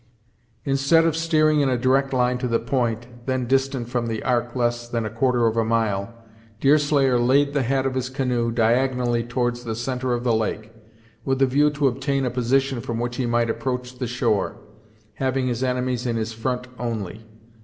Instead of steering in a direct line to the point, then distant from the ark less than a quarter of a mile, Deerslayer laid the head of his canoe diagonally towards the centre of the lake, with a view to obtain a position from which he might approach the shore, having his enemies in his front only.